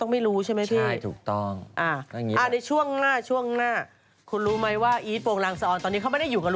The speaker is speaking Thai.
มีเพื่อนอยู่ในสะกดี